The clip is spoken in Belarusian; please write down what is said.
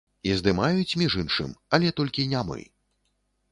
І здымаюць, між іншым, але толькі не мы.